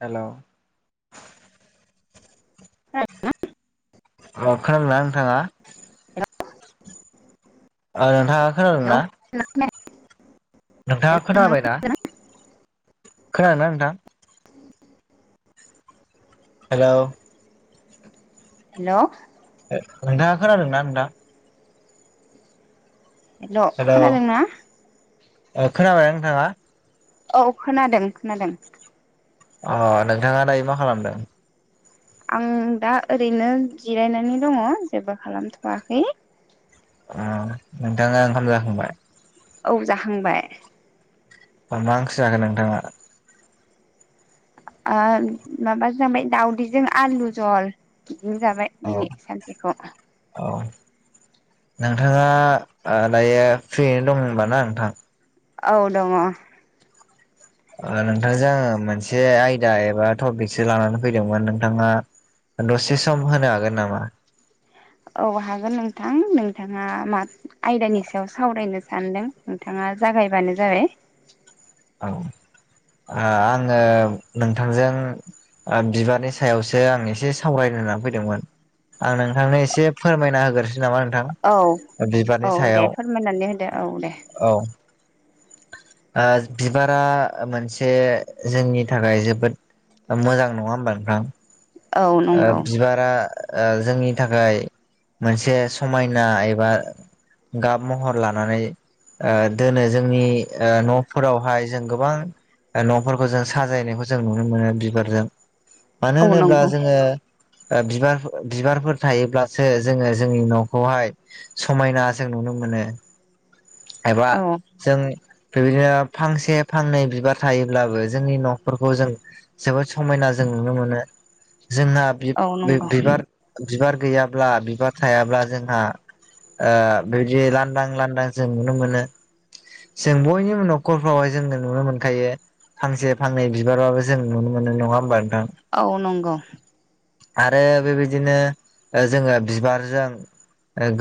हेल' ह [inaudible] अ खालामदोंना नोंथाङा हेलौ नोंथाङा खोनादों ना मोजां खोनाया नोंथाङा खोनाबाय ना खोनादों ना नोंथां हेल' हेल' नोंथाङा खोनादों ना नोंथा हेल' खोनादोंना खोनाबाय ना नोंथाङा औ खोनादों खोनादों अ नोंथाङा दायो मा खालामदों आं दा ओरैनो जिरायनानै दङ जेबो खालामथ'वाखै अ नोंथाङा ओंखाम जाखांबाय औ जाखांबाय मा ओंख्रि जाखोन नोंथाङा माबा जाबाय दाउदैजों आलु जल बिदिनो जाबाय औ दिनै सानसेखौ औ नोंथाङा दायो फ्रियैनो दं होनबा ना नोंथां औ दङ नोंथांजों आङो मोनसे आयदा एबा टपिकसो लानानै फैदोंमोन नोंथाङा दसे सम होनो हागोन नामा औ हागोन नोंथां नोंथाङा मा आयदानि सायाव सावरायनो सानदों नोंथाङा जागायबानो जाबाय औ आङो नोंथांजों बिबारनि सायावसो आं एसे सावरायनो होननानै फैदोंमोन आं नोंथांनो एसे फोरमायना होग्रोसै नामा औ नोंथां औ बिबारनि दे सायाव फोरमायनानै होदो औ दे औ बिबारा मोनसे जोंनि थाखाय जोबोद मोजां नङा होमबा नोंथां औ नंगौ बिबारा जोंनि थाखाय मोनसे समायना एबा गाब महर लानानै दोनो जोंनि न'फोरावहाय जों गोबां न'फोरखौ जों साजायनायखौ जों नुनो मोनो बिबारजों मानो औ होनोब्ला नंगौ जोङो बिबार बिबारफोर थायोब्लासो जोङो जोंनि न'खौहाय समायना जों नुनो मोनो एबा औ जों बेबायदिनो फांसे फांनै बिबार थायोब्लाबो जोंनि न'फोरखौ जों जोबोद समायना जों नुनो मोनो जोंहा बिब औ नंगौ बिब बिबार बिबार गैयाब्ला बिबार थायाब्ला जोंहा बेबायदि लांदां लांदां जों नुनो मोनो जों बयनिबो न'खरफ्रावहाय जोंङो नुनो मोनखायो फांसे फांनै बिबारबाबो जों नुनो मोनो नङा होमबा नोंथां औ नंगौ आरो बेबायदिनो जोङो बिबारजों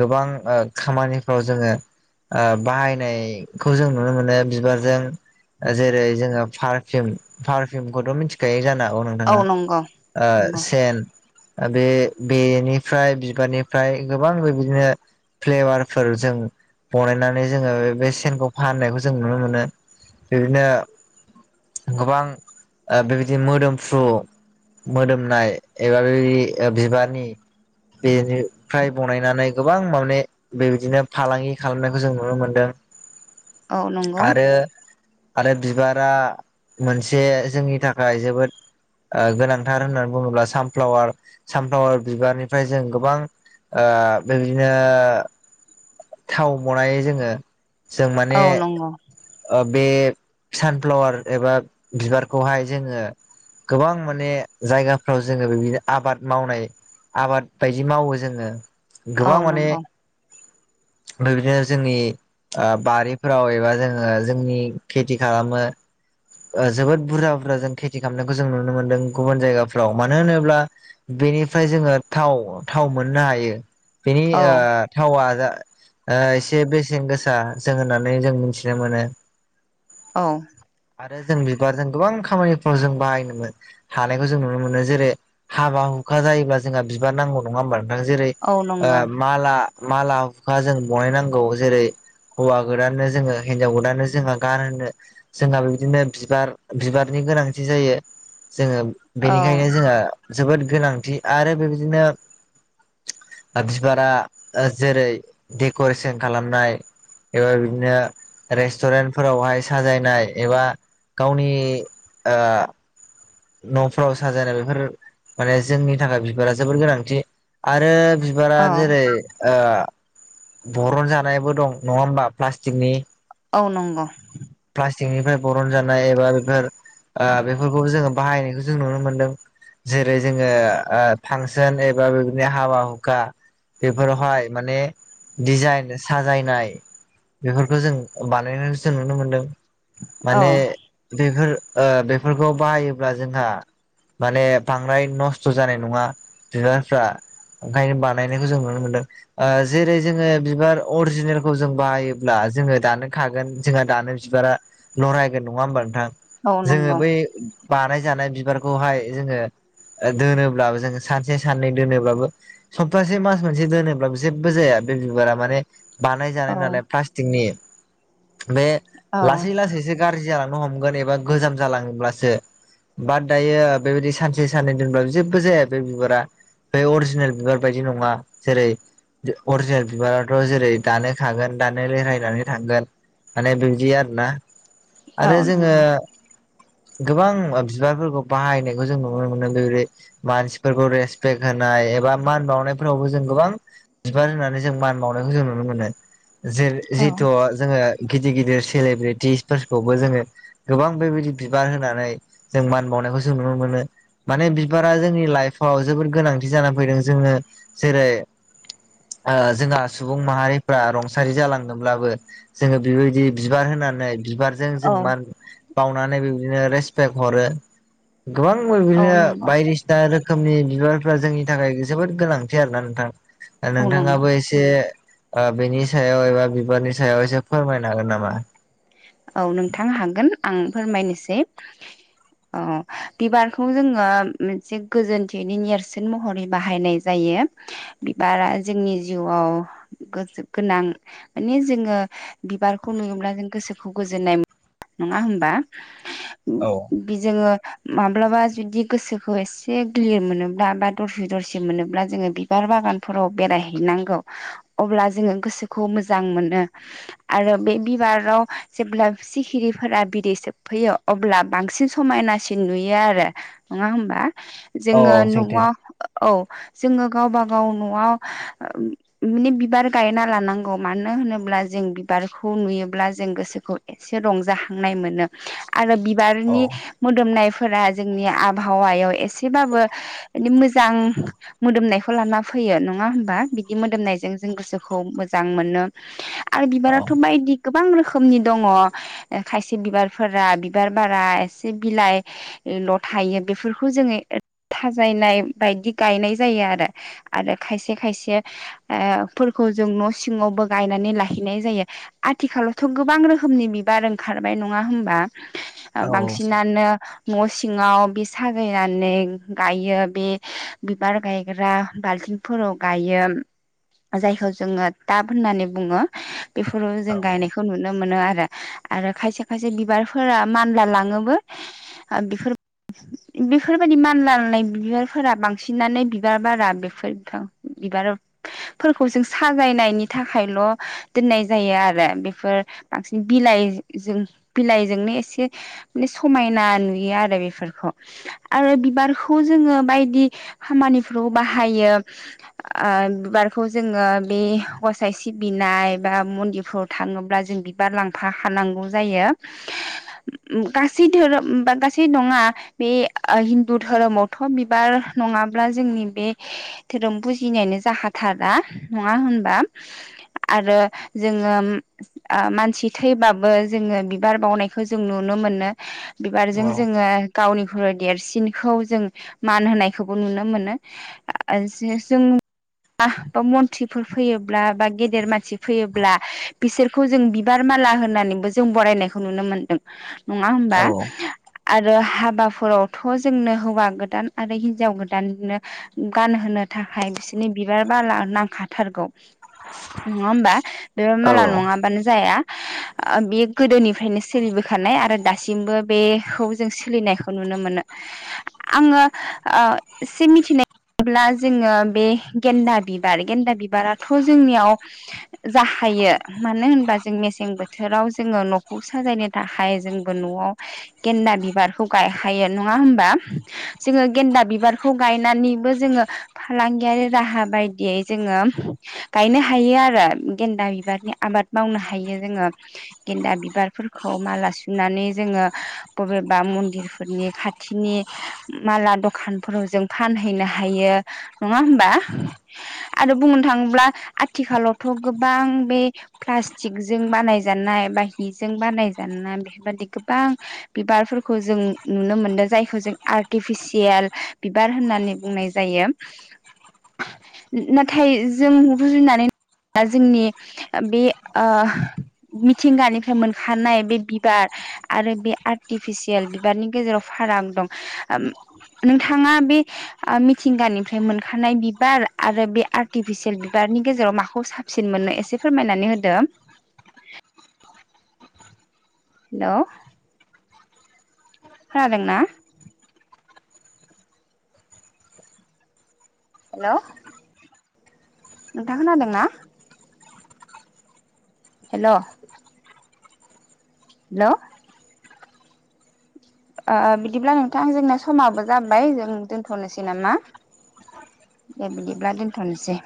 गोबां खामानिफ्राव जोङो बाहायनायखौ जों नुनो मोनो बिबारजों जेरै जोङो पारफिम पारफिउमखौथ' मिथिखायो जानोहागौ नों औ नंगौ ओ नंगौ सेन बे बेनिफ्राय बिबारनिफ्राय गोबां बेबायदिनो फ्लेबारफोर जों बनायनानै जोङो बे सेनखौ फाननायखौ जों नुनो मोनो बिदिनो गोबां बेबायदि मोदोमफ्रु मोदोमनाय एबा बे ओ बिबारनि बेनिफ्राय बनायनानै गोबां माने बेबायदिनो फालांगि खालामनायखौ जों नुनो मोनदों औ नंगौ आरो आरो बिबारा मोनसे जोंनि थाखाय जोबोद गोनां थार होननानै बुङोब्ला सानफ्लावार सानफ्लावार बिबारनिफ्राय जों गोबां ओ बेबायदिनो थाव बनायो जोङो जों माने औ नंगौ ओ बे सानफ्लावार एबा बिबारखौहाय जोङो गोबां माने जायगाफ्राव जोङो बेबादिनो आबाद मावनाय आबाद बायदि मावो जोङो औ गोबां माने नंगौ बे बिदिनो जोंनि बारिफोराव एबा जों ओ जोंनि खेथि खालामो ओ जोबोद बुरजा बुरजा जों खेथि खामनायखौ जों नुनो मोन्दों गुबुन जायगाफ्राव मानो होनोब्ला बेनिफ्राय जोङो थाव थाव मोननो हायो बेनि औ ओ थावा जा ओ एसे बेसेन गोसा जों होननानै जों मिथिनो मोनो औ आरो जों बिबारजों गोबां खामानिफ्राव जों बाहायनोमोन हानायखौ जों नुनो मोनो जेरै हाबा हुखा जायोब्ला जोंहा बिबार नांगौ नङा होमबा नोंथां जेरै औ नंगौ माला माला हुखा जों बनायनांगौ जेरै हौवा गोदाननो जोङो हिनजाव गोदाननो जोंहा गान होनो जोंहा बिदिनो बिबार बिबारनि गोनांथि जायो जोङो औ बेनिखायनो जोंहा जोबोद गोनांथि आरो बेबायदिनो बिबारा ओ जेरै देकारेसन खालामनाय एबा बिदिनो रेस्टुरेन्ट फोरावहाय साजायनाय एबा गावनि ओ न'फ्राव साजायनाय बेफोर माने जोंनि थाखाय बिबारा जोबोर गोनांथि आरो बिबारा औ जेरै ओ बरन जानायबो दं नङा होमबा प्लास्टिकनि औ नंगौ प्लास्टिकनिफ्राय बरन जानाय एबा बेफोर ओ बेफोरखौ जोङो बाहायनायखौ जों नुनो मोनदों जेरै जोङो ओ फांसन एबा बेबायदिनो हाबा हुखा बेफोरावहाय माने डिजाइन साजायनाय बेफोरखौ जों बानायनायखौ जों नुनो मोनदों औ माने बेफोर ओ बेफोरखौ बाहायोब्ला जोंहा माने बांद्राय नस्थ' जानाय नङा बिबारफ्रा ओंखायनो बानायनायखौ जों नुनो मोनदों ओ जेरै जोङो बिबार अरिजिनेलखौ जों बाहायोब्ला जोङो दानो खागोन जोंहा दानो बिबारा नरायगोन नङा होमबा नोंथां औ जोङो नंगौ बै बानायजानाय बिबारखौहाय जोङो ओ दोनोब्लाबो जोङो सानसे साननै दोनोब्लाबो सप्तासे मास मोनसे दोनोब्लाबो जेबबो जाया बे बिबारा माने बानायजानाय औ नालाय प्लास्टिकनि बे औ लासै लासैसो गारजि जालांनो हमगोन एबा गोजाम जालाङोब्लासो बा दायो बेबायदि सानसे साननै दोनब्लाबो जेबो जाया बे बिबारा बे अरिजिनेल बिबार बायदि नङा जेरै अरिजिनेल बिबाराथ' जेरै दानो खागोन दानो रेहायनानै थांगोन माने बिबदि आरोना औ आरो नंगौ जोङो गोबां ओ बिबारफोरखौ बाहायनायखौ जों नुनो मोन्दों। जेरै मानसिफोरखौ रेसपेक्ट होनाय एबा मान बावनायफोरावबो जों गोबां बिबार होननानै जों मान बाउनायखौ जों नुनो मोनो औ जे-जिहेथु जोङो गिदिर गिदिर सेलेब्रेटिसफोरखौबो जोङो गोबां बेबायदि बिबार होनानै जों मान बाउनायखौ जों नुनो मोनो। माने बिबारा जोंनि लाइफाव जोबोद गोनांथि जानानै फैदों। जोङो जेरै ओ जोंहा सुबुं माहारिफ्रा रंसारि जालांदोंब्लाबो जोङो बेबायदि बिबार होनानै बिबारजों औ जों मान बाउनानै बिदिनो रेसपेक्ट हरो। गोबां [unintelligible] औ बिदिनो नंगौ बायदि दा रोखोमनि बिबारफ्रा जोंनि थाखाय जोबोद गोनांथि आरो ना नोंथां। दा औ नोंथाङाबो नंगौ एसे एसे ओ बेनि सायाव एबा बिबारनि सायाव एसे फोरमायनो हागोन नामा? औ नोंथां हागोन आं फोरमायनोसै। [inaudible] ओ बिबारखौ जोङो मोनसे गोजोनथिनि नेरसोन महरै बाहायनाय जायो। बिबारा जोंनि जिउआव गोसो गोनां माने जोङो बिबारखौ नुयोब्ला जों गोसो खौ गोजोननाय मोन नङा होमबा? औ। बिजोङो माब्लाबा जुदि गोसोखौ एसे गिलिर मोनोब्ला बा दरसि दरसि मोनोब्ला जोङो बि बिबार बागानफोराव बेरायहैनांगौ अब्ला जोङो गोसोखौ मोजां मोनो। आरो बे बिबाराव जेब्ला सिखिरिफोरा बिदै सोबफैयो अब्ला बांसिन समायनासिन नुयो आरो। नङा होमबा? जोङो औ न'आव सैथो औ जोङो गावबा गाव न'आ ओ माने बिबार गायना लानांगौ। मानो होनोब्ला जों बिबारखौ नुयोब्ला जों गोसो खौ एसे रंजाखांनाय मोनो आरो औ बिबारनि मोदोमनायफोरा जोंनि आबहावायाव एसेबाबो माने मोजां मोदोमनायखौ लाना फैयो नङा होमबा। बिदि मोदोमनायजों जों गोसोखौ मोजां मोनो। आरो औ बिबाराथ' बायदि गोबां रोखोमनि दङ' ए खायसे बिबारफोरा बिबार बारा, एसे बिलाइ ल' थायो बेफोरखौ जोङो एथ थाजायनाय बायदि गायनाय जायो आरो। आरो खायसे खायसे ओ फोरखौ जों न' सिङावबो गायनानै लाहैनाय जायो। आथिखालावथ' गोबां रो खोमनि बिबार ओंखारबाय नङा होमबा, औ बांसिनानो न' सिङाव बे साजायनानै गायो बे बिबार गायग्रा बाल्थिं फोराव गायो, जायखौ जोङो टाब होननानै बुङो। बेफोराव जों गायनायखौ नुनो मोनो आरो। आरो खायसे खायसे बिबारफोरा मानला लाङोबो बेफोर बेफोरबायदि मानलानाय बिबारफोरा बांसिनानो बिबार बारा बेफोरथ' बिबाराव फोरखौ जों साजायनायनि थाखायल' दोननाय जायो आरो। बेफोर बांसिन बिलाइजों बिलाइजोंनो एसे माने समायना नुयो आरो बेफोरखौ। आरो बिबारखौ जोङो बायदि खामानिफोराव बाहायो। ओ बिबारखौ जोङो बे गसाइ सिबिनाय बा मन्दिरफ्राव थाङोब्ला जों बि बार लांफाखानांगौ जायो गासै धोरोमा बा, गासै नङा बे ओ हिन्दु धोरोमावथ' बिबार नङाब्ला जोंनि बे धोरोम बुजिनायानो जाखाथारा नङा होनबा? आरो जोङो ओ मान थि थैबाबो जोङो बिबार बावनायखौ जों नुनो मोनो बिबारजों जोङो गावनिख्रइ देरसिनखौ जों मान होनायखौबो नुनो मोनो। आ जे जों बा मन्त्रिफोर फैयोब्ला बा गेदेर मानसि फैयोब्ला बिसोरखौ जों बिबार माला होननानैबो जों बरायनायखौ नुनो मोनदों नङा होमबा? औ आरो हाबाफोरावथ' जोंनो हौवा गोदान आरो हिनजाव गोदाननो गानहोनो थाखाय बिसोरनि बिबार बाला नांखाथारगौ नङा होमबा बे औ मालाव औ नङाबानो जाया। ओ बेयो गोदोनिफ्रायनो सोलिबोखानाय आरो दासिमबो बेखौ जों सोलिनाय खौ नुनो मोनो। आङो एसे मिथिनाय अब्ला जोङो बे गेन्दा बिबार गेन्दा बिबाराथ' जोंनियाव जाखायो मानो होनबा जों मसे मेसें बोथोराव जोङो न'खौ साजायनो थाखाय जोंबो न'आव गेन्दा बिबारखौ गायखायो नङा होमबा? जोङो गेन्दा बिबारखौ खौ गायनानैबो जोङो फालांगियारि राहा बायदियै जोङो गायनो हायो आरो गेन्दा बिबारनि आबाद मावनो हायो जोङो। गेन्दा बिबारफोरखौ माला सुनानै जोङो बबेबा मन्दिरफोरनि खाथिनि माला दखानफोराव जों फानहैनो हायो। नङा होनोमबा? आरो बुंनो थाङोब्ला आथिखालावथ' गोबां बे प्लास्टिक जों बानायजानाय बा हिजों बानायजानाय बेफोरबायाददि गोबां बिबारफोरखौ जों नुनो मोनदों जायखौ जों आर्टिफिसियेल बिबार होननानै बुंनाय जायो। [inaudible] नाथाय जों रुजुनानै हाया जोंनि बे ओ मिथिंगानिफ्राय मोनखानाय बे बिबार आरो बे आर्टिफिसियेल बिबारनि गेजेराव फाराग दं ओम नोंथाङा बे ओ मिथिंगानिफ्राय मोनखानाय बिबार आरो बे आर्टिफिसियेल बिबारनि गेजेराव माखौ साब सिन मोनो एसे फोरमायनानै होदो। हेल'। खोनादों ना? हेल'। नोंथां खोनादों ना? हेल'। हेलौ। ओ ओ बिदिब्ला नोंथां जोंनो समाबबो जाबाय जों दोन्थ'नोसै नामा? दे बिदिब्ला दोनथ'नोसै।